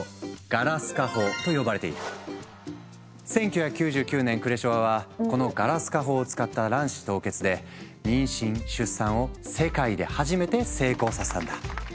この技術は通称１９９９年クレショワはこのガラス化法を使った卵子凍結で妊娠出産を世界で初めて成功させたんだ。